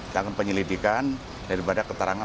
tangan penyelidikan daripada keterangan